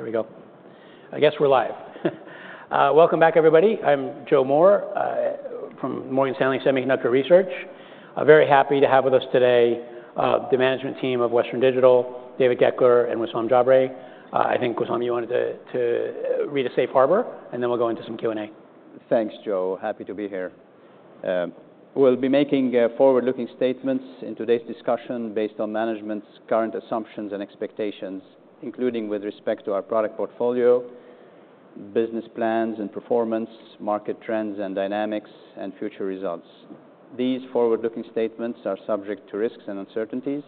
There we go. I guess we're live. Welcome back, everybody. I'm Joe Moore from Morgan Stanley Semiconductor Research. I'm very happy to have with us today the management team of Western Digital, David Goeckeler, and Wissam Jabre. I think, Wissam, you wanted to read a safe harbor, and then we'll go into some Q&A. Thanks, Joe. Happy to be here. We'll be making forward-looking statements in today's discussion based on management's current assumptions and expectations, including with respect to our product portfolio, business plans and performance, market trends and dynamics, and future results. These forward-looking statements are subject to risks and uncertainties.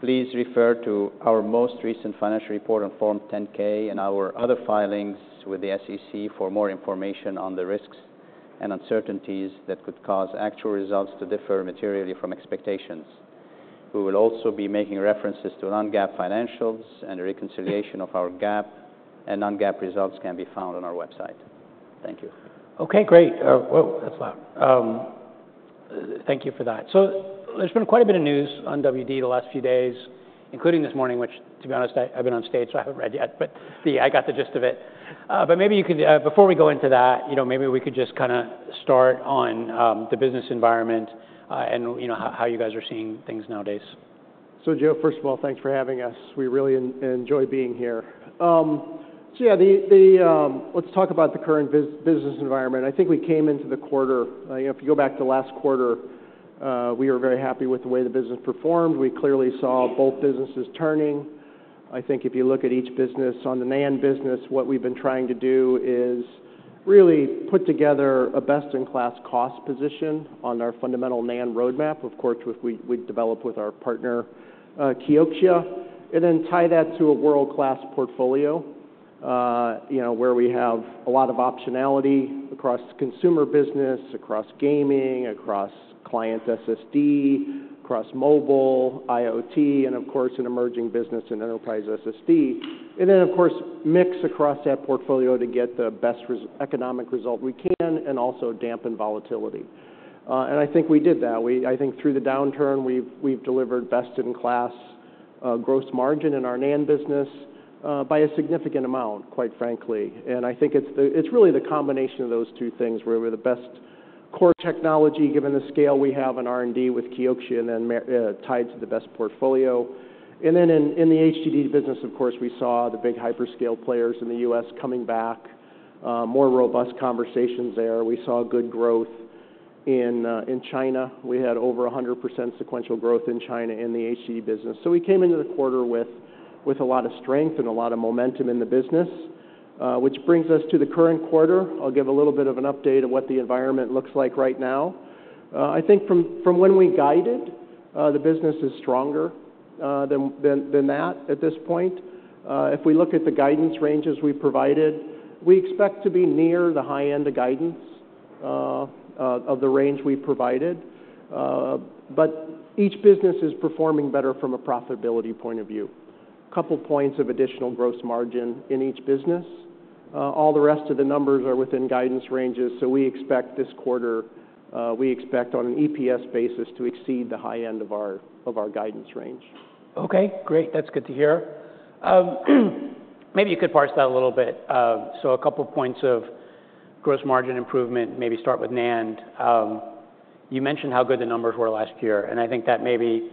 Please refer to our most recent financial report on Form 10-K and our other filings with the SEC for more information on the risks and uncertainties that could cause actual results to differ materially from expectations. We will also be making references to non-GAAP financials, and a reconciliation of our GAAP and non-GAAP results can be found on our website. Thank you. Okay, great. Whoa, that's loud. Thank you for that. So there's been quite a bit of news on WD the last few days, including this morning, which, to be honest, I've been on stage, so I haven't read yet, but, yeah, I got the gist of it. But maybe you could, before we go into that, you know, maybe we could just kind of start on the business environment, and you know, how you guys are seeing things nowadays. So Joe, first of all, thanks for having us. We really enjoy being here. So yeah, let's talk about the current business environment. I think we came into the quarter. If you go back to last quarter, we were very happy with the way the business performed. We clearly saw both businesses turning. I think if you look at each business, on the NAND business, what we've been trying to do is really put together a best-in-class cost position on our fundamental NAND roadmap. Of course, we've developed with our partner, Kioxia, and then tie that to a world-class portfolio, you know, where we have a lot of optionality across consumer business, across gaming, across client SSD, across mobile, IoT, and of course, an emerging business and enterprise SSD. And then, of course, mix across that portfolio to get the best economic result we can, and also dampen volatility. I think we did that. I think through the downturn, we've delivered best-in-class gross margin in our NAND business by a significant amount, quite frankly. I think it's really the combination of those two things, where we're the best core technology, given the scale we have in R&D with Kioxia, and then margin tied to the best portfolio. Then in the HDD business, of course, we saw the big hyperscale players in the U.S. coming back, more robust conversations there. We saw good growth in China. We had over 100% sequential growth in China in the HDD business. So we came into the quarter with a lot of strength and a lot of momentum in the business, which brings us to the current quarter. I'll give a little bit of an update on what the environment looks like right now. I think from when we guided, the business is stronger than that at this point. If we look at the guidance ranges we provided, we expect to be near the high end of guidance, of the range we've provided. But each business is performing better from a profitability point of view. Couple points of additional gross margin in each business. All the rest of the numbers are within guidance ranges, so we expect this quarter, we expect on an EPS basis to exceed the high end of our guidance range. Okay, great. That's good to hear. Maybe you could parse that a little bit. So a couple points of gross margin improvement, maybe start with NAND. You mentioned how good the numbers were last year, and I think that maybe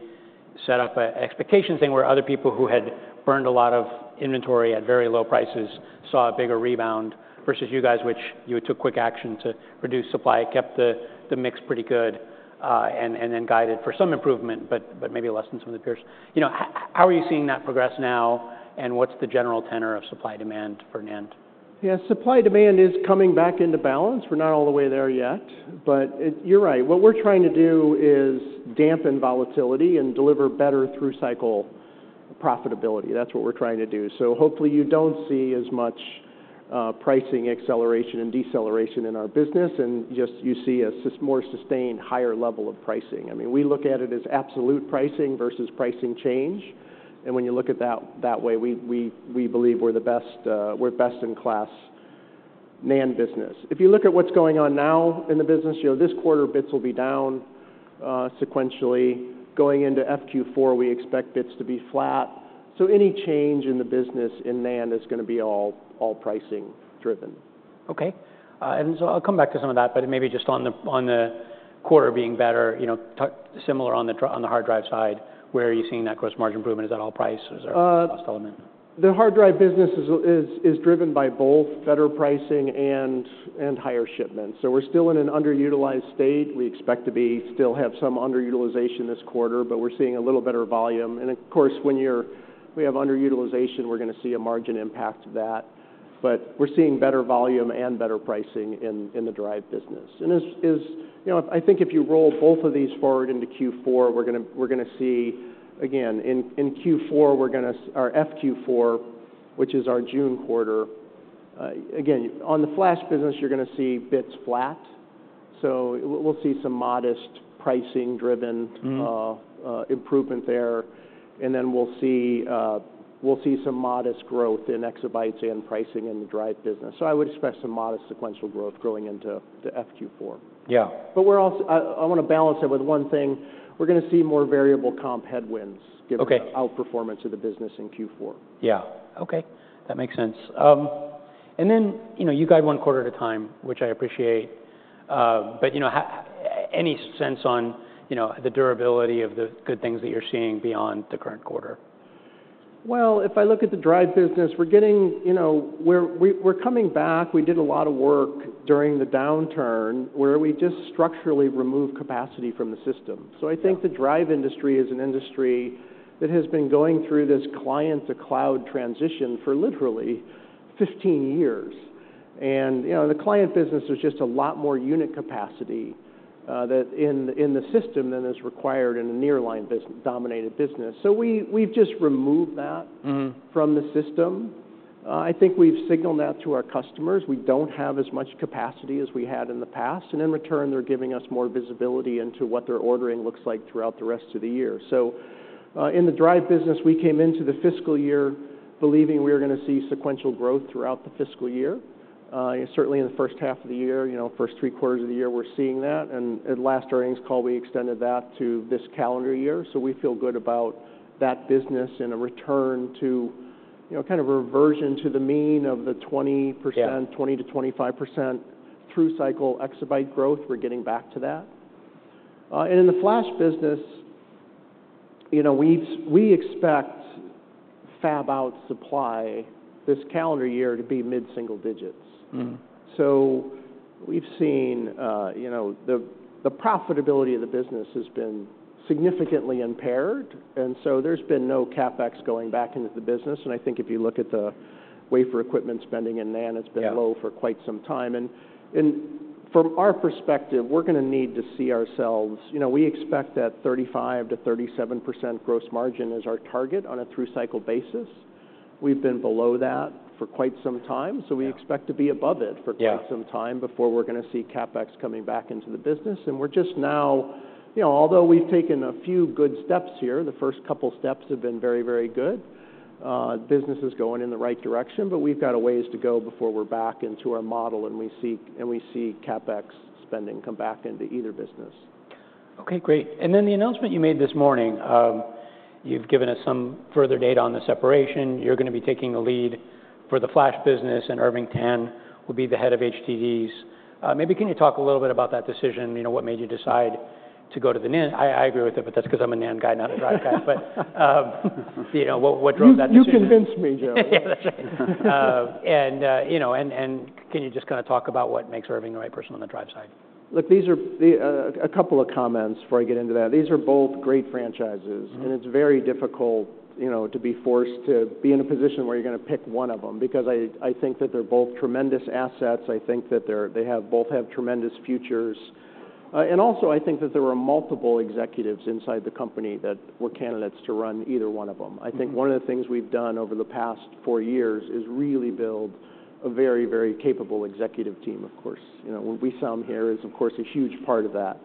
set up an expectation thing where other people who had burned a lot of inventory at very low prices saw a bigger rebound versus you guys, which you took quick action to reduce supply, kept the mix pretty good, and then guided for some improvement, but maybe less than some of the peers. You know, how are you seeing that progress now, and what's the general tenor of supply-demand for NAND? Yeah, supply-demand is coming back into balance. We're not all the way there yet, but it... You're right. What we're trying to do is dampen volatility and deliver better through-cycle profitability. That's what we're trying to do. So hopefully, you don't see as much, pricing acceleration and deceleration in our business, and just, you see a more sustained higher level of pricing. I mean, we look at it as absolute pricing versus pricing change, and when you look at that way, we believe we're the best, we're best-in-class NAND business. If you look at what's going on now in the business, you know, this quarter, bits will be down, sequentially. Going into FQ4, we expect bits to be flat. So any change in the business in NAND is gonna be all pricing driven. Okay, and so I'll come back to some of that, but maybe just on the quarter being better, you know, talk similar on the hard drive side, where are you seeing that gross margin improvement? Is that all price, or is there a cost element? The hard drive business is driven by both better pricing and higher shipments. So we're still in an underutilized state. We expect to still have some underutilization this quarter, but we're seeing a little better volume. And of course, when we have underutilization, we're gonna see a margin impact of that, but we're seeing better volume and better pricing in the drive business. And as is... You know, I think if you roll both of these forward into Q4, we're gonna see... Again, in Q4, or FQ4, which is our June quarter, again, on the flash business, you're gonna see bits flat, so we'll see some modest pricing-driven- Mm-hmm Improvement there. And then we'll see, we'll see some modest growth in exabytes and pricing in the drive business. So I would expect some modest sequential growth going into the FQ4. Yeah. But we're also- I wanna balance it with one thing. We're gonna see more variable comp headwinds- Okay Given the outperformance of the business in Q4. Yeah. Okay, that makes sense. And then, you know, you guide one quarter at a time, which I appreciate. But, you know, how, any sense on, you know, the durability of the good things that you're seeing beyond the current quarter? Well, if I look at the drive business, we're getting, you know, we're coming back. We did a lot of work during the downturn, where we just structurally removed capacity from the system. Yeah. I think the drive industry is an industry that has been going through this client-to-cloud transition for literally 15 years. You know, the client business is just a lot more unit capacity that in the system than is required in a nearline business-dominated business. We've just removed that- Mm From the system. I think we've signaled that to our customers. We don't have as much capacity as we had in the past, and in return, they're giving us more visibility into what their ordering looks like throughout the rest of the year. So, in the drive business, we came into the fiscal year believing we were going to see sequential growth throughout the fiscal year. Certainly in the first half of the year, you know, first three quarters of the year, we're seeing that, and at last earnings call, we extended that to this calendar year. So we feel good about that business and a return to, you know, kind of a reversion to the mean of the 20%- Yeah 20%-25% through cycle exabyte growth, we're getting back to that. And in the flash business, you know, we expect fab-out supply this calendar year to be mid-single digits. Mm. So we've seen, you know, the profitability of the business has been significantly impaired, and so there's been no CapEx going back into the business. And I think if you look at the wafer equipment spending in NAND- Yeah It's been low for quite some time. And, from our perspective, we're going to need to see ourselves... You know, we expect that 35%-37% gross margin as our target on a through cycle basis. We've been below that for quite some time- Yeah So we expect to be above it- Yeah For quite some time before we're going to see CapEx coming back into the business. We're just now, you know, although we've taken a few good steps here, the first couple steps have been very, very good. Business is going in the right direction, but we've got a ways to go before we're back into our model, and we see, and we see CapEx spending come back into either business. Okay, great. And then the announcement you made this morning, you've given us some further data on the separation. You're going to be taking the lead for the flash business, and Irving Tan will be the head of HDDs. Maybe can you talk a little bit about that decision? You know, what made you decide to go to the NAND? I, I agree with it, but that's because I'm a NAND guy, not a drive guy. But, you know, what, what drove that decision? You convinced me, Joe. Yeah, that's right. And, you know, can you just kind of talk about what makes Irving the right person on the drive side? Look, these are the, A couple of comments before I get into that. These are both great franchises- Mm-hmm And it's very difficult, you know, to be forced to be in a position where you're going to pick one of them, because I, I think that they're both tremendous assets. I think that they're- they have both have tremendous futures. And also, I think that there are multiple executives inside the company that were candidates to run either one of them. Mm-hmm. I think one of the things we've done over the past four years is really build a very, very capable executive team, of course. You know, Wissam here is, of course, a huge part of that.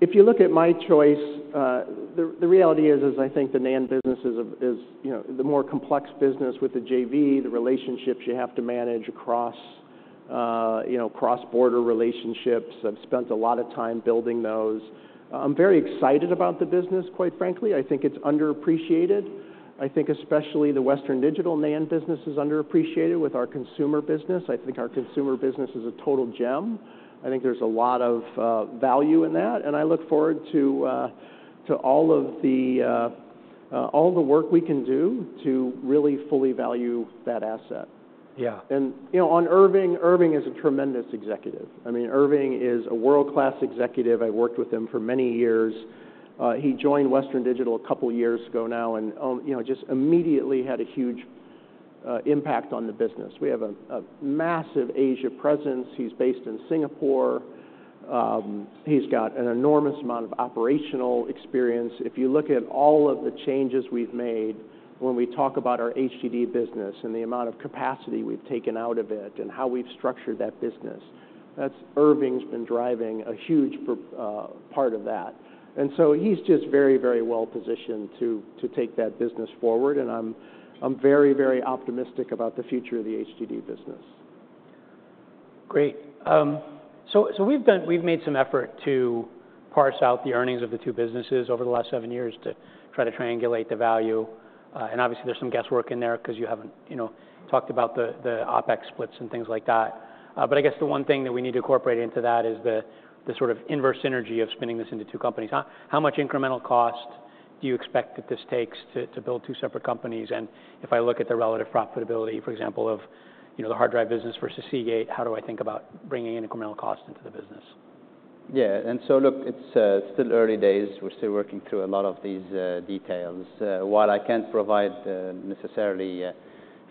If you look at my choice, the reality is, I think the NAND business is, you know, the more complex business with the JV, the relationships you have to manage across, you know, cross-border relationships. I've spent a lot of time building those. I'm very excited about the business, quite frankly. I think it's underappreciated. I think especially the Western Digital NAND business is underappreciated with our consumer business. I think our consumer business is a total gem. I think there's a lot of value in that, and I look forward to all the work we can do to really fully value that asset. Yeah. And, you know, on Irving, Irving is a tremendous executive. I mean, Irving is a world-class executive. I worked with him for many years. He joined Western Digital a couple of years ago now and, you know, just immediately had a huge impact on the business. We have a massive Asia presence. He's based in Singapore. He's got an enormous amount of operational experience. If you look at all of the changes we've made when we talk about our HDD business and the amount of capacity we've taken out of it and how we've structured that business, that's Irving's been driving a huge part of that. And so he's just very, very well positioned to take that business forward, and I'm very, very optimistic about the future of the HDD business. Great. So we've done, we've made some effort to parse out the earnings of the two businesses over the last seven years to try to triangulate the value. And obviously, there's some guesswork in there because you haven't, you know, talked about the OpEx splits and things like that. But I guess the one thing that we need to incorporate into that is the sort of inverse synergy of spinning this into two companies. How much incremental cost do you expect that this takes to build two separate companies? And if I look at the relative profitability, for example, of, you know, the hard drive business versus Seagate, how do I think about bringing in incremental cost into the business? Yeah, and so look, it's still early days. We're still working through a lot of these details. While I can't provide necessarily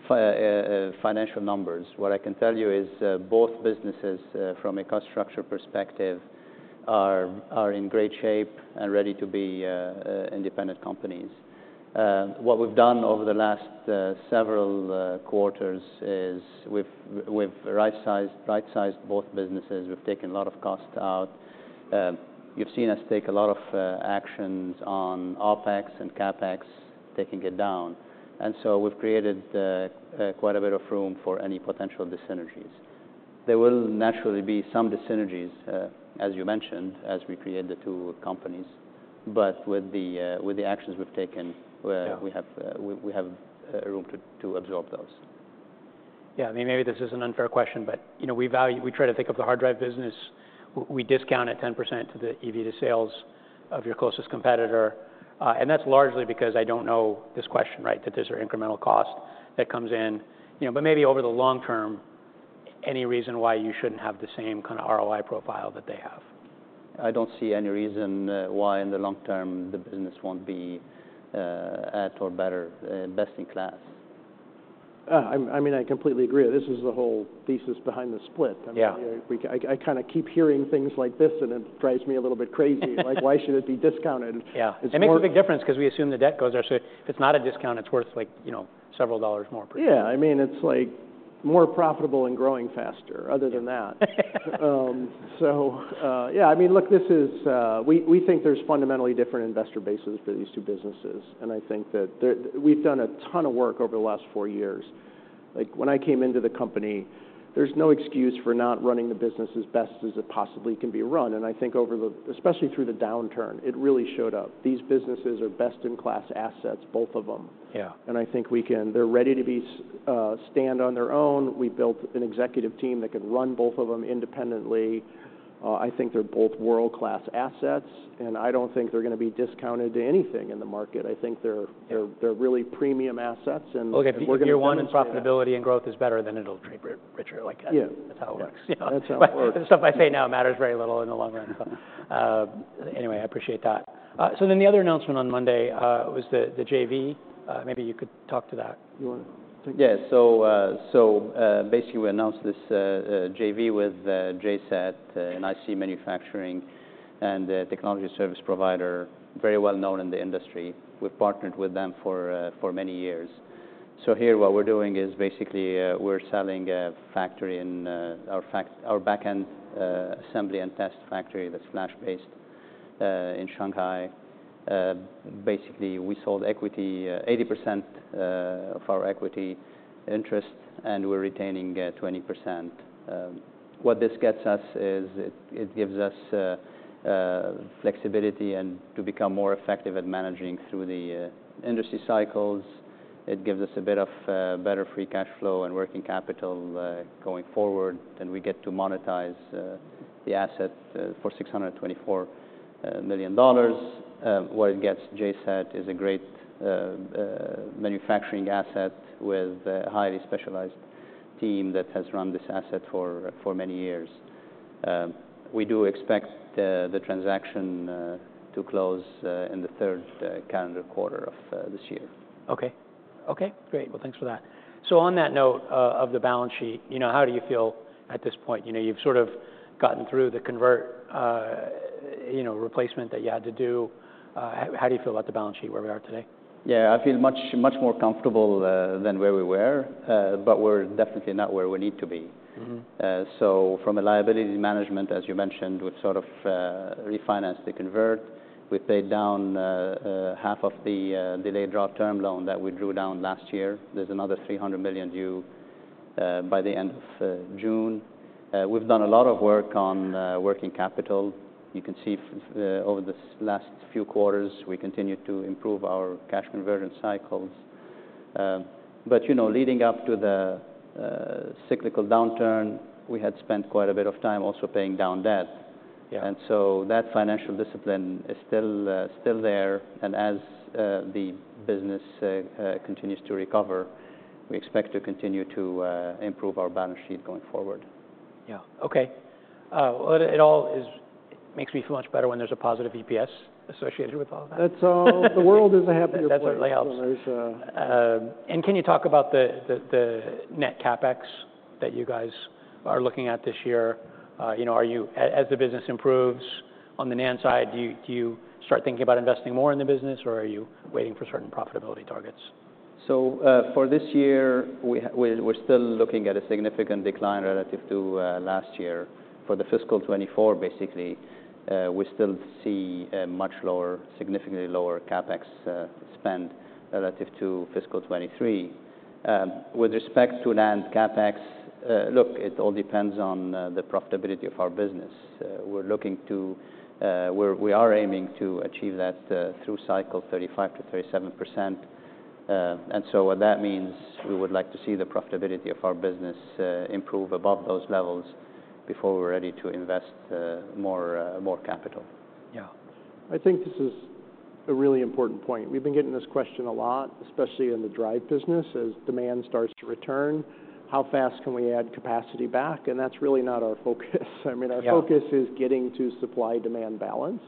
financial numbers, what I can tell you is both businesses from a cost structure perspective are in great shape and ready to be independent companies. What we've done over the last several quarters is we've right-sized both businesses. We've taken a lot of cost out. You've seen us take a lot of actions on OpEx and CapEx, taking it down. And so we've created quite a bit of room for any potential dyssynergies. There will naturally be some dyssynergies as you mentioned, as we create the two companies. But with the actions we've taken- Yeah We have room to absorb those. Yeah, I mean, maybe this is an unfair question, but, you know, we try to think of the hard drive business, we discount it 10% to the EBITDA sales of your closest competitor. And that's largely because I don't know this question, right? That there's an incremental cost that comes in. You know, but maybe over the long-term, any reason why you shouldn't have the same kind of ROI profile that they have? I don't see any reason why in the long-term, the business won't be at or better, best in class. I mean, I completely agree. This is the whole thesis behind the split. Yeah. I mean, I kind of keep hearing things like this, and it drives me a little bit crazy. Like, why should it be discounted? Yeah. It's more- It makes a big difference 'cause we assume the debt goes there, so if it's not a discount, it's worth, like, you know, several dollars more per share. Yeah. I mean, it's, like, more profitable and growing faster, other than that. So, yeah, I mean, look, this is. We think there's fundamentally different investor bases for these two businesses, and I think that we've done a ton of work over the last four years. Like, when I came into the company, there's no excuse for not running the business as best as it possibly can be run, and I think over the especially through the downturn, it really showed up. These businesses are best-in-class assets, both of them. Yeah. They’re ready to stand on their own. We’ve built an executive team that can run both of them independently. I think they’re both world-class assets, and I don’t think they’re gonna be discounted to anything in the market. I think they’re- Yeah They're really premium assets, and we're gonna- Well, if year one in profitability and growth is better, then it'll trade richer like that. Yeah. That's how it works. That's how it works. The stuff I say now matters very little in the long run. Anyway, I appreciate that. So then the other announcement on Monday was the JV. Maybe you could talk to that. You want to take it? Yeah. So, basically, we announced this JV with JCET in IC manufacturing, and a technology service provider, very well known in the industry. We've partnered with them for many years. So here, what we're doing is, basically, we're selling a factory in our backend assembly and test factory that's flash-based in Shanghai. Basically, we sold equity, 80% of our equity interest, and we're retaining 20%. What this gets us is, it gives us flexibility and to become more effective at managing through the industry cycles. It gives us a bit of better free cash flow and working capital going forward, and we get to monetize the asset for $624 million. What it gets JCET is a great manufacturing asset with a highly specialized team that has run this asset for many years. We do expect the transaction to close in the third calendar quarter of this year. Okay. Okay, great. Well, thanks for that. So on that note, of the balance sheet, you know, how do you feel at this point? You know, you've sort of gotten through the convert, you know, replacement that you had to do. How do you feel about the balance sheet, where we are today? Yeah, I feel much, much more comfortable than where we were, but we're definitely not where we need to be. Mm-hmm. So from a liability management, as you mentioned, we've sort of refinanced the convert. We've paid down half of the delayed draw term loan that we drew down last year. There's another $300 million due by the end of June. We've done a lot of work on working capital. You can see over this last few quarters, we continued to improve our cash conversion cycles. But, you know, leading up to the cyclical downturn, we had spent quite a bit of time also paying down debt. Yeah. And so that financial discipline is still there, and as the business continues to recover, we expect to continue to improve our balance sheet going forward. Yeah. Okay. Well, it all makes me feel much better when there's a positive EPS associated with all of that. That's all. The world is a happier place. That certainly helps. Um, there's, uh... And can you talk about the net CapEx that you guys are looking at this year? You know, as the business improves on the NAND side, do you start thinking about investing more in the business, or are you waiting for certain profitability targets? So, for this year, we're still looking at a significant decline relative to last year. For the fiscal 2024, basically, we still see a much lower, significantly lower CapEx spend relative to fiscal 2023. With respect to NAND CapEx, look, it all depends on the profitability of our business. We're looking to... We are aiming to achieve that through-cycle 35%-37%. And so what that means, we would like to see the profitability of our business improve above those levels before we're ready to invest more capital. Yeah. I think this is a really important point. We've been getting this question a lot, especially in the drive business, as demand starts to return, how fast can we add capacity back? That's really not our focus. Yeah. I mean, our focus is getting to supply-demand balance.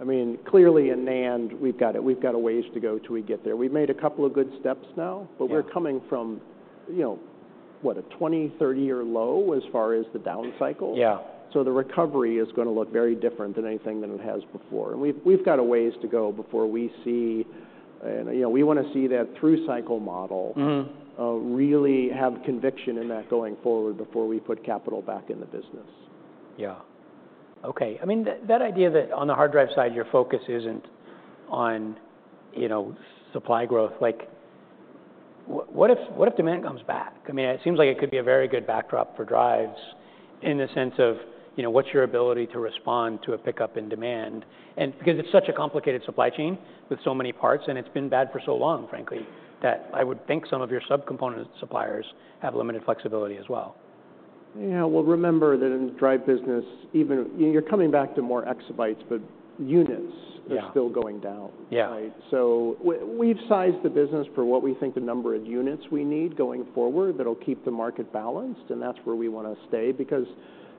I mean, clearly, in NAND, we've got a ways to go till we get there. We've made a couple of good steps now- Yeah we're coming from, you know, what? A 20, 30-year low as far as the down cycle. Yeah. So the recovery is gonna look very different than anything than it has before. And we've got a ways to go before we see... And, you know, we wanna see that through cycle model- Mm-hmm Really have conviction in that going forward before we put capital back in the business. Yeah. Okay. I mean, that idea that on the hard drive side, your focus isn't on, you know, supply growth. What if demand comes back? I mean, it seems like it could be a very good backdrop for drives in the sense of, you know, what's your ability to respond to a pickup in demand? And because it's such a complicated supply chain with so many parts, and it's been bad for so long, frankly, that I would think some of your subcomponent suppliers have limited flexibility as well. Yeah. Well, remember that in the drive business, even—you're coming back to more exabytes, but units- Yeah are still going down. Yeah. Right? So we've sized the business for what we think the number of units we need going forward that'll keep the market balanced, and that's where we want to stay because,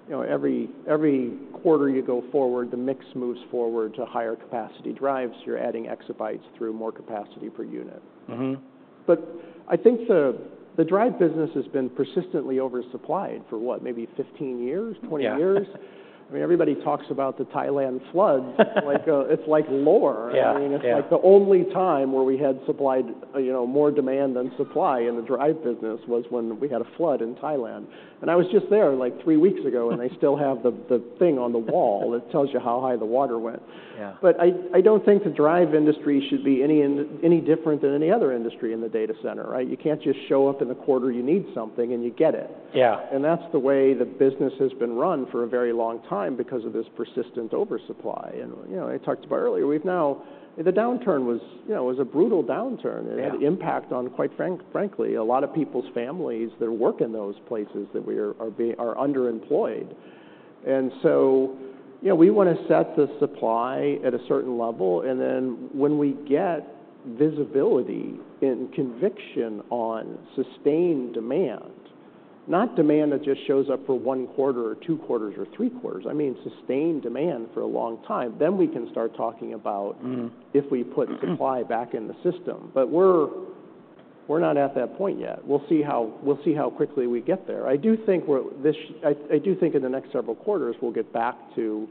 you know, every quarter you go forward, the mix moves forward to higher capacity drives. You're adding exabytes through more capacity per unit. Mm-hmm. But I think the drive business has been persistently oversupplied for what? Maybe 15 years, 20 years. Yeah. I mean, everybody talks about the Thailand floods. Like, it's like lore. Yeah, yeah. I mean, it's like the only time where we had supplied, you know, more demand than supply in the drive business was when we had a flood in Thailand. And I was just there, like, three weeks ago, and they still have the thing on the wall that tells you how high the water went. Yeah. But I don't think the drive industry should be any different than any other industry in the data center, right? You can't just show up in a quarter, you need something, and you get it. Yeah. That's the way the business has been run for a very long time because of this persistent oversupply. You know, I talked about earlier, we've now... The downturn was, you know, a brutal downturn. Yeah. It had impact on, quite frankly, a lot of people's families that work in those places that we are being underemployed. And so, you know, we want to set the supply at a certain level, and then when we get visibility and conviction on sustained demand, not demand that just shows up for one quarter or two quarters or three quarters, I mean, sustained demand for a long time, then we can start talking about- Mm-hmm If we put supply back in the system. But we're not at that point yet. We'll see how quickly we get there. I do think in the next several quarters, we'll get back to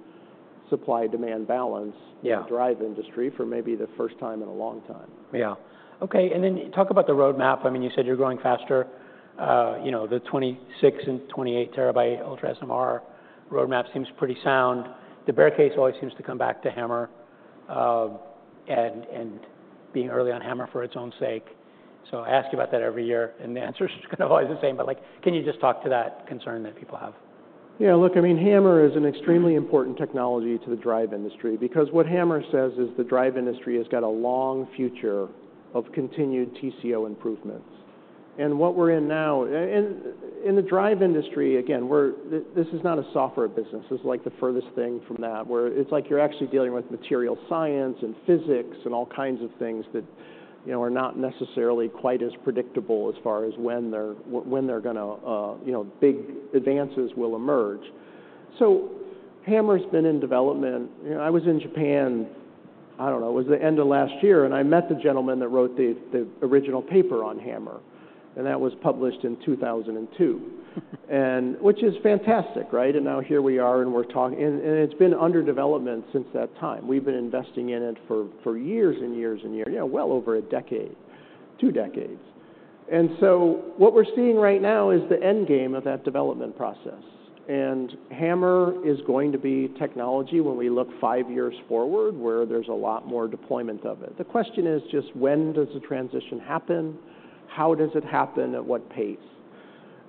supply-demand balance. Yeah In the drive industry for maybe the first time in a long time. Yeah. Okay, and then talk about the roadmap. I mean, you said you're growing faster. You know, the 26 TB and 28 TB UltraSMR roadmap seems pretty sound. The bear case always seems to come back to HAMR, and being early on HAMR for its own sake. So I ask you about that every year, and the answer is kind of always the same, but, like, can you just talk to that concern that people have? Yeah, look, I mean, HAMR is an extremely important technology to the drive industry because what HAMR says is the drive industry has got a long future of continued TCO improvements. And what we're in now, in the drive industry, again, we're this is not a software business. This is, like, the furthest thing from that, where it's like you're actually dealing with material science and physics and all kinds of things that, you know, are not necessarily quite as predictable as far as when they're gonna. You know, big advances will emerge. So HAMR's been in development. You know, I was in Japan, I don't know, it was the end of last year, and I met the gentleman that wrote the original paper on HAMR, and that was published in 2002, and which is fantastic, right? And now here we are, and we're talking, and, and it's been under development since that time. We've been investing in it for, for years and years and years, yeah, well over a decade, two decades. And so what we're seeing right now is the end game of that development process. And HAMR is going to be technology when we look 5 years forward, where there's a lot more deployment of it. The question is just: When does the transition happen? How does it happen? At what pace?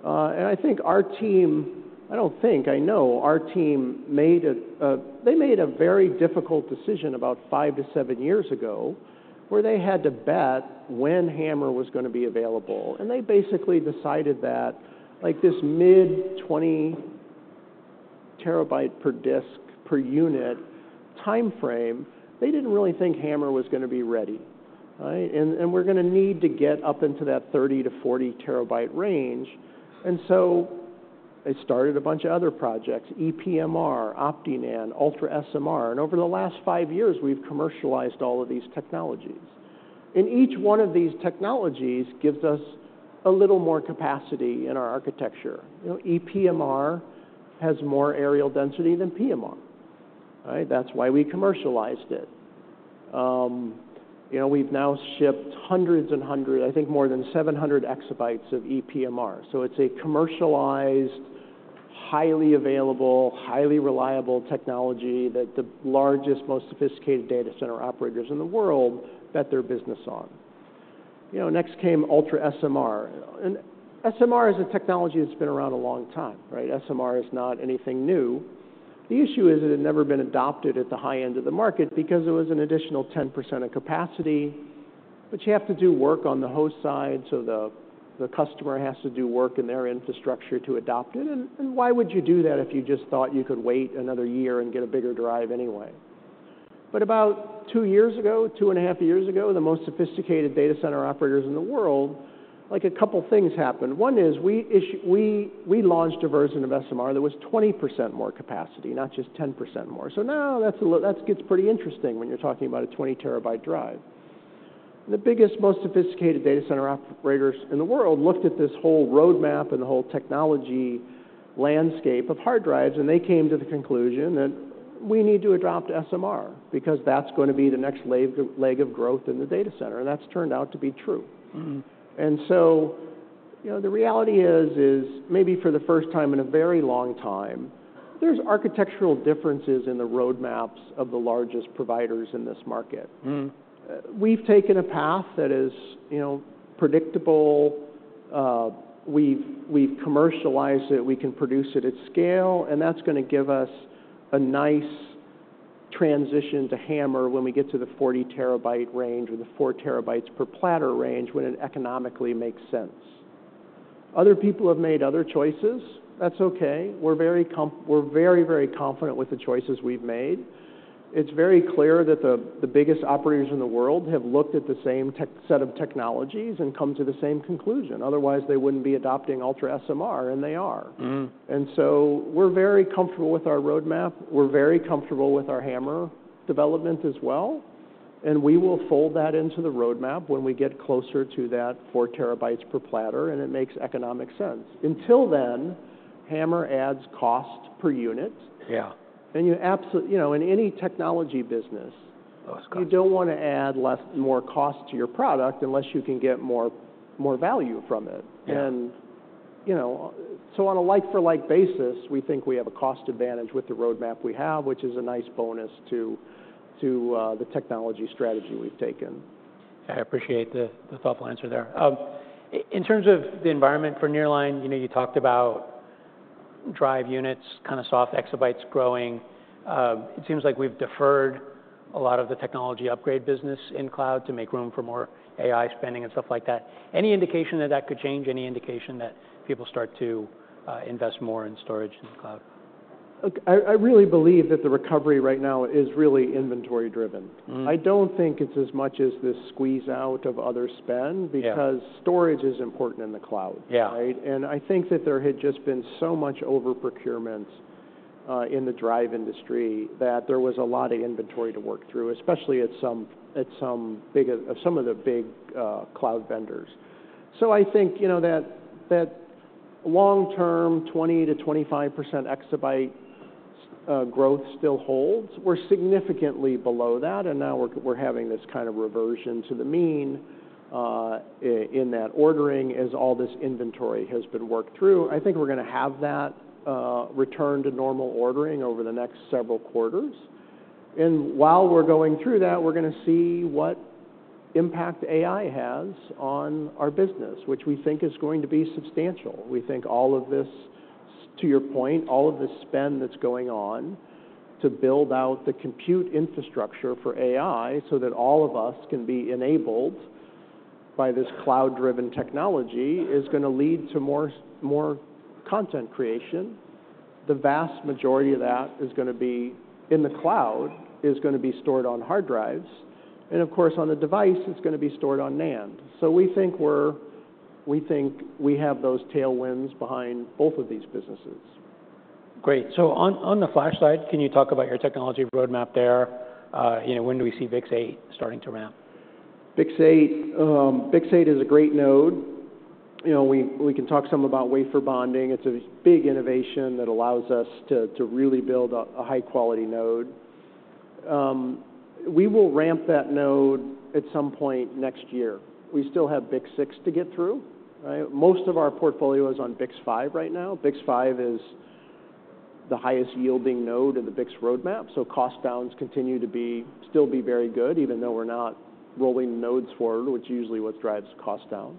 And I think our team, I don't think, I know, our team made a very difficult decision about 5-7 years ago, where they had to bet when HAMR was gonna be available. They basically decided that, like, this mid-20-TB-per-disk, per-unit timeframe, they didn't really think HAMR was gonna be ready, right? And we're gonna need to get up into that 30-40-TB range. So they started a bunch of other projects, ePMR, OptiNAND, UltraSMR, and over the last 5 years, we've commercialized all of these technologies. And each one of these technologies gives us a little more capacity in our architecture. You know, ePMR has more areal density than PMR, right? That's why we commercialized it. You know, we've now shipped hundreds and hundreds, I think more than 700 EB of ePMR. So it's a commercialized, highly available, highly reliable technology that the largest, most sophisticated data center operators in the world bet their business on. You know, next came UltraSMR, and SMR is a technology that's been around a long time, right? SMR is not anything new. The issue is it had never been adopted at the high end of the market because it was an additional 10% of capacity, but you have to do work on the host side, so the customer has to do work in their infrastructure to adopt it. And why would you do that if you just thought you could wait another year and get a bigger drive anyway? But about 2 years ago, 2 and a half years ago, the most sophisticated data center operators in the world, like, a couple things happened. One is we launched a version of SMR that was 20% more capacity, not just 10% more. So now that gets pretty interesting when you're talking about a 20 TB drive. The biggest, most sophisticated data center operators in the world looked at this whole roadmap and the whole technology landscape of hard drives, and they came to the conclusion that we need to adopt SMR because that's going to be the next leg of growth in the data center, and that's turned out to be true. Mm-hmm. You know, the reality is, maybe for the first time in a very long time, there's architectural differences in the roadmaps of the largest providers in this market. Mm. We've taken a path that is, you know, predictable. We've commercialized it. We can produce it at scale, and that's gonna give us a nice transition to HAMR when we get to the 40 TB range or the 4 TB per platter range, when it economically makes sense. Other people have made other choices. That's okay. We're very, very confident with the choices we've made. It's very clear that the biggest operators in the world have looked at the same set of technologies and come to the same conclusion. Otherwise, they wouldn't be adopting UltraSMR, and they are. Mm. So we're very comfortable with our roadmap. We're very comfortable with our HAMR development as well, and we will fold that into the roadmap when we get closer to that 4 TB per platter, and it makes economic sense. Until then, HAMR adds cost per unit. Yeah. And you absolutely, you know, in any technology business. Those costs You don't want to add more cost to your product unless you can get more value from it. Yeah. You know, so on a like-for-like basis, we think we have a cost advantage with the roadmap we have, which is a nice bonus to the technology strategy we've taken. I appreciate the thoughtful answer there. In terms of the environment for nearline, you know, you talked about drive units, kind of soft exabytes growing. It seems like we've deferred a lot of the technology upgrade business in cloud to make room for more AI spending and stuff like that. Any indication that that could change? Any indication that people start to invest more in storage in the cloud? Look, I really believe that the recovery right now is really inventory driven. Mm. I don't think it's as much as this squeeze-out of other spend- Yeah Because storage is important in the cloud. Yeah. Right? And I think that there had just been so much over-procurement in the drive industry, that there was a lot of inventory to work through, especially at some of the big cloud vendors. So I think, you know, that long-term, 20-25% exabyte growth still holds. We're significantly below that, and now we're having this kind of reversion to the mean in that ordering as all this inventory has been worked through. I think we're gonna have that return to normal ordering over the next several quarters, and while we're going through that, we're gonna see what impact AI has on our business, which we think is going to be substantial. We think all of this, to your point, all of the spend that's going on to build out the compute infrastructure for AI so that all of us can be enabled by this cloud-driven technology, is gonna lead to more content creation. The vast majority of that is gonna be in the cloud, is gonna be stored on hard drives, and of course, on the device, it's gonna be stored on NAND. So we think we have those tailwinds behind both of these businesses. Great. So on, on the flash side, can you talk about your technology roadmap there? You know, when do we see BiCS8 starting to ramp? BiCS8, BiCS8 is a great node. You know, we can talk some about wafer bonding. It's a big innovation that allows us to really build a high-quality node. We will ramp that node at some point next year. We still have BiCS6 to get through, right? Most of our portfolio is on BiCS5 right now. BiCS5 is the highest-yielding node in the BiCS roadmap, so cost downs continue to be still very good, even though we're not rolling nodes forward, which usually what drives cost down.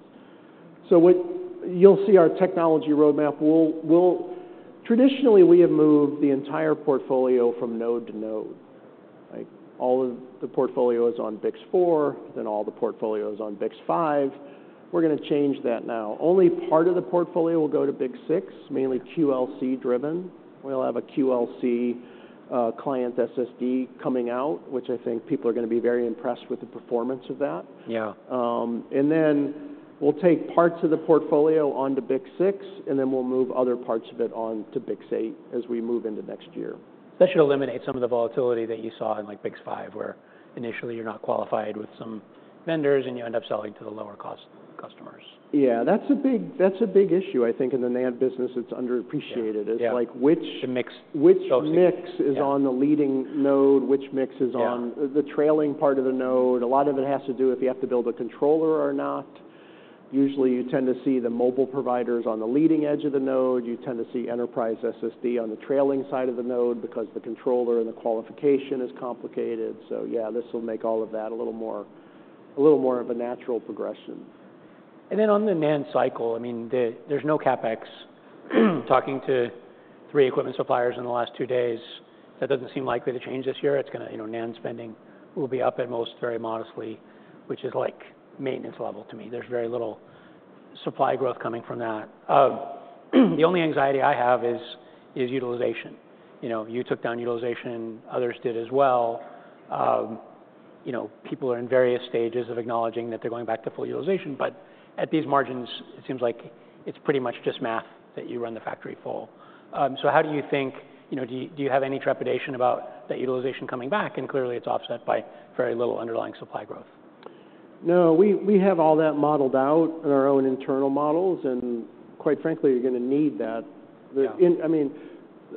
You'll see our technology roadmap. Traditionally, we have moved the entire portfolio from node to node, right? All of the portfolio is on BiCS4, then all the portfolio is on BiCS5. We're gonna change that now. Only part of the portfolio will go to BiCS6, mainly QLC-driven. We'll have a QLC, client SSD coming out, which I think people are gonna be very impressed with the performance of that. Yeah. And then we'll take parts of the portfolio onto BiCS6, and then we'll move other parts of it on to BiCS8 as we move into next year. That should eliminate some of the volatility that you saw in, like, BiCS5, where initially you're not qualified with some vendors, and you end up selling to the lower-cost customers. Yeah, that's a big, that's a big issue, I think, in the NAND business that's underappreciated- Yeah Is, like, which- The mix - which mix- Yeah Is on the leading node, which mix is on- Yeah The trailing part of the node. A lot of it has to do with you have to build a controller or not. Usually, you tend to see the mobile providers on the leading edge of the node. You tend to see enterprise SSD on the trailing side of the node because the controller and the qualification is complicated. So yeah, this will make all of that a little more, a little more of a natural progression. Then on the NAND cycle, I mean, there's no CapEx. Talking to 3 equipment suppliers in the last 2 days, that doesn't seem likely to change this year. It's gonna, you know, NAND spending will be up at most, very modestly, which is like maintenance level to me. There's very little supply growth coming from that. The only anxiety I have is utilization. You know, you took down utilization, others did as well. You know, people are in various stages of acknowledging that they're going back to full utilization, but at these margins, it seems like it's pretty much just math, that you run the factory full. So how do you think... You know, do you have any trepidation about that utilization coming back? And clearly, it's offset by very little underlying supply growth. No, we have all that modeled out in our own internal models, and quite frankly, you're gonna need that. Yeah. I mean,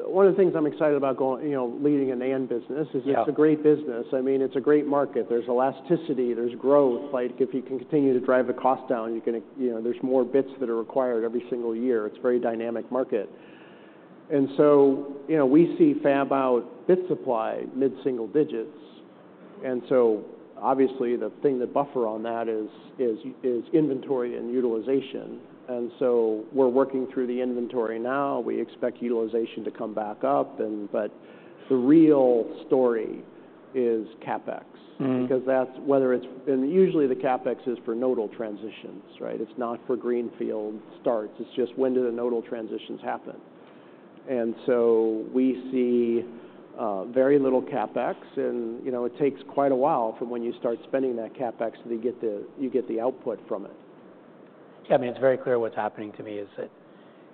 one of the things I'm excited about going, you know, leading a NAND business- Yeah It is it's a great business. I mean, it's a great market. There's elasticity, there's growth. Like, if you can continue to drive the cost down, you can, you know, there's more bits that are required every single year. It's a very dynamic market. And so, you know, we see fab-out bit supply mid-single digits, and so obviously the thing, the buffer on that is inventory and utilization. And so we're working through the inventory now. We expect utilization to come back up and—but the real story is CapEx. Mm-hmm. Because that's whether it's. And usually the CapEx is for nodal transitions, right? It's not for greenfield starts. It's just when do the nodal transitions happen. And so we see very little CapEx, and, you know, it takes quite a while from when you start spending that CapEx to get, you get the output from it. Yeah, I mean, it's very clear what's happening to me is that,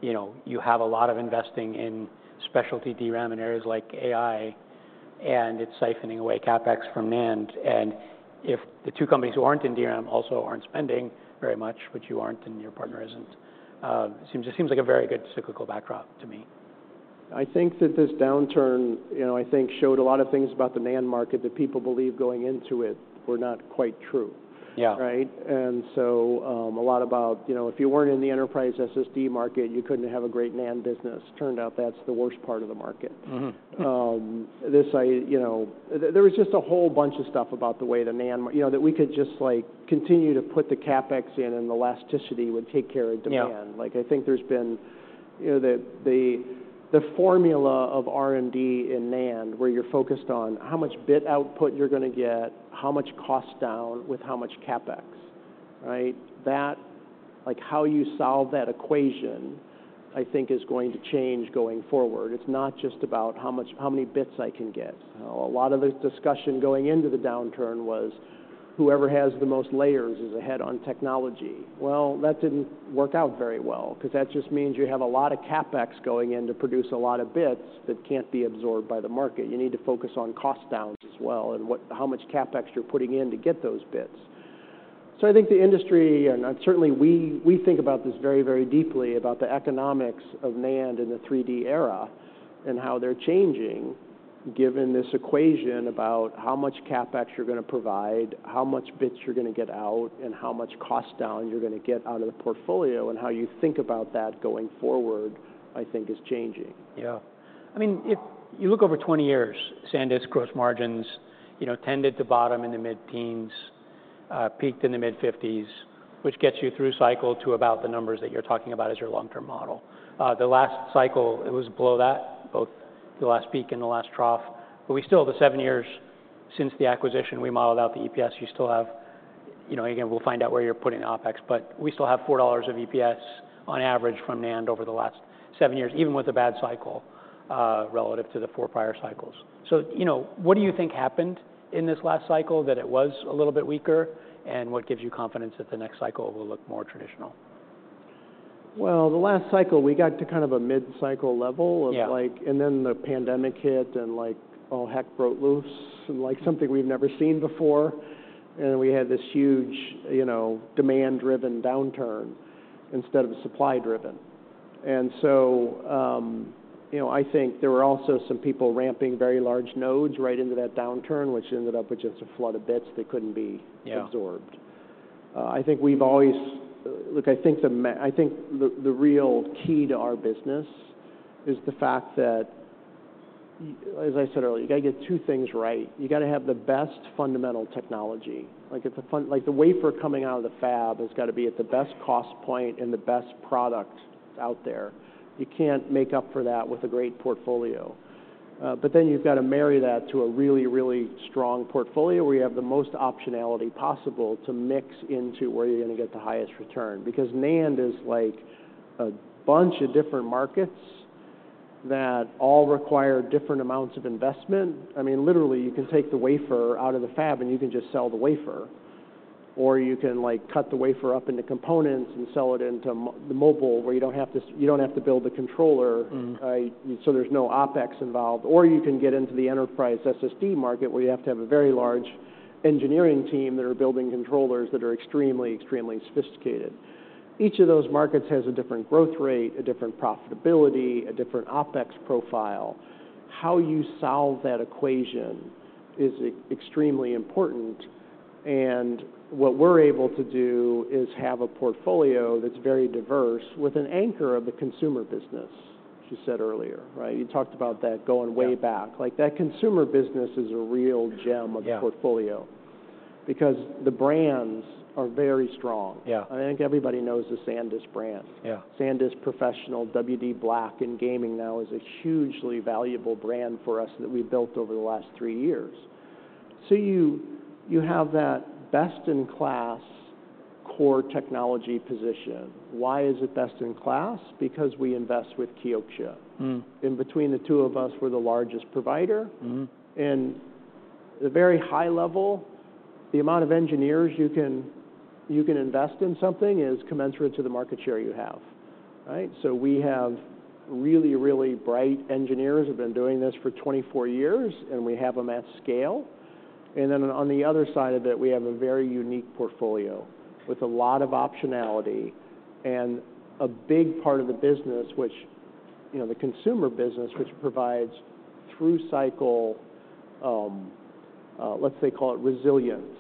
you know, you have a lot of investing in specialty DRAM in areas like AI, and it's siphoning away CapEx from NAND. If the two companies who aren't in DRAM also aren't spending very much, which you aren't, and your partner isn't, it seems, it seems like a very good cyclical backdrop to me. I think that this downturn, you know, I think, showed a lot of things about the NAND market that people believed going into it were not quite true. Yeah. Right? And so, a lot about, you know, if you weren't in the enterprise SSD market, you couldn't have a great NAND business. Turned out that's the worst part of the market. Mm-hmm. Mm. This, I, you know. There was just a whole bunch of stuff about the way the NAND, you know, that we could just, like, continue to put the CapEx in, and the elasticity would take care of demand. Yeah. Like, I think there's been, you know, the formula of R&D in NAND, where you're focused on how much bit output you're gonna get, how much cost down with how much CapEx, right? That- Like, how you solve that equation, I think, is going to change going forward. It's not just about how many bits I can get. You know, a lot of the discussion going into the downturn was whoever has the most layers is ahead on technology. Well, that didn't work out very well, 'cause that just means you have a lot of CapEx going in to produce a lot of bits that can't be absorbed by the market. You need to focus on cost downs as well, and how much CapEx you're putting in to get those bits. So I think the industry, and certainly we, we think about this very, very deeply, about the economics of NAND in the 3D era and how they're changing, given this equation about how much CapEx you're gonna provide, how much bits you're gonna get out, and how much cost down you're gonna get out of the portfolio, and how you think about that going forward, I think is changing. Yeah. I mean, if you look over 20 years, SanDisk gross margins, you know, tended to bottom in the mid-teens, peaked in the mid-50s, which gets you through cycle to about the numbers that you're talking about as your long-term model. The last cycle, it was below that, both the last peak and the last trough, but we still, the 7 years since the acquisition, we modeled out the EPS, you still have... You know, again, we'll find out where you're putting OpEx, but we still have $4 of EPS on average from NAND over the last 7 years, even with a bad cycle, relative to the 4 prior cycles. So, you know, what do you think happened in this last cycle, that it was a little bit weaker, and what gives you confidence that the next cycle will look more traditional? Well, the last cycle, we got to kind of a mid-cycle level- Yeah Of, like, and then the pandemic hit and, like, all heck broke loose and, like, something we've never seen before. And we had this huge, you know, demand-driven downturn instead of supply-driven. And so, you know, I think there were also some people ramping very large nodes right into that downturn, which ended up with just a flood of bits that couldn't be- Yeah Absorbed. I think we've always. Look, I think the real key to our business is the fact that, as I said earlier, you gotta get two things right. You gotta have the best fundamental technology. Like, the wafer coming out of the fab has got to be at the best cost point and the best product out there. You can't make up for that with a great portfolio. But then you've got to marry that to a really, really strong portfolio, where you have the most optionality possible to mix into where you're gonna get the highest return. Because NAND is, like, a bunch of different markets that all require different amounts of investment. I mean, literally, you can take the wafer out of the fab, and you can just sell the wafer, or you can, like, cut the wafer up into components and sell it into the mobile, where you don't have to, you don't have to build the controller- Mm-hmm So there's no OpEx involved. Or you can get into the enterprise SSD market, where you have to have a very large engineering team that are building controllers that are extremely, extremely sophisticated. Each of those markets has a different growth rate, a different profitability, a different OpEx profile. How you solve that equation is extremely important, and what we're able to do is have a portfolio that's very diverse with an anchor of the consumer business, which you said earlier, right? You talked about that going way back. Yeah. Like, that consumer business is a real gem of the portfolio- Yeah Because the brands are very strong. Yeah. I think everybody knows the SanDisk brand. Yeah. SanDisk Professional, WD_BLACK in gaming now, is a hugely valuable brand for us that we've built over the last three years. So you have that best-in-class core technology position. Why is it best-in-class? Because we invest with Kioxia. Mm. Between the two of us, we're the largest provider. Mm-hmm. At the very high level, the amount of engineers you can invest in something is commensurate to the market share you have, right? So we have really, really bright engineers who've been doing this for 24 years, and we have them at scale. And then on the other side of it, we have a very unique portfolio with a lot of optionality, and a big part of the business, which, you know, the consumer business, which provides through cycle, let's say, call it resilience,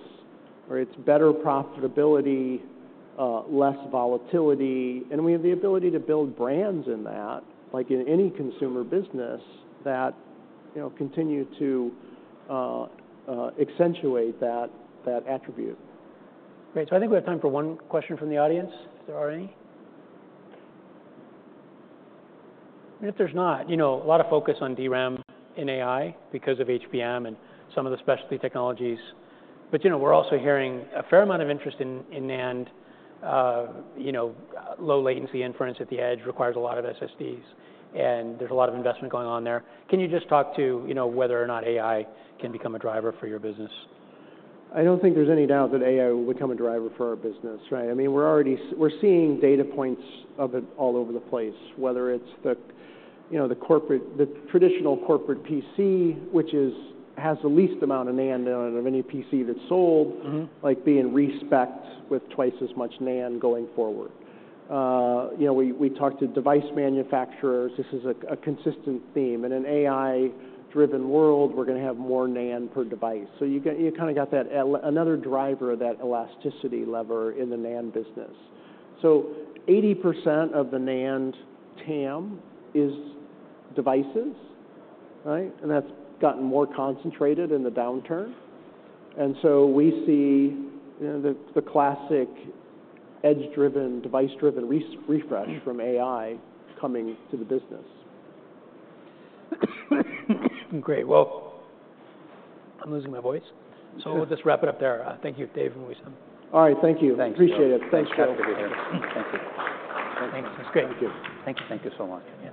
or it's better profitability, less volatility. And we have the ability to build brands in that, like in any consumer business, that, you know, continue to accentuate that, that attribute. Great. So I think we have time for one question from the audience, if there are any. And if there's not, you know, a lot of focus on DRAM and AI because of HBM and some of the specialty technologies. But, you know, we're also hearing a fair amount of interest in NAND. You know, low latency inference at the edge requires a lot of SSDs, and there's a lot of investment going on there. Can you just talk to, you know, whether or not AI can become a driver for your business? I don't think there's any doubt that AI will become a driver for our business, right? I mean, we're already-- we're seeing data points of it all over the place, whether it's the, you know, the corporate-- the traditional corporate PC, which is, has the least amount of NAND on it of any PC that's sold- Mm-hmm Like, being respec'd with twice as much NAND going forward. You know, we talked to device manufacturers. This is a consistent theme. In an AI-driven world, we're gonna have more NAND per device. So you kinda got that another driver of that elasticity lever in the NAND business. So 80% of the NAND TAM is devices, right? And that's gotten more concentrated in the downturn. And so we see, you know, the classic edge-driven, device-driven refresh from AI coming to the business. Great. Well, I'm losing my voice, so we'll just wrap it up there. Thank you, Dave and Wissam. All right, thank you. Thanks. Appreciate it. Thanks, guys. Thank you for being here. Thank you. Thanks. That's great. Thank you. Thank you. Thank you so much again.